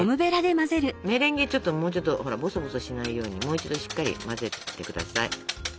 メレンゲちょっともうちょっとほらボソボソしないようにもう一度しっかり混ぜて下さい。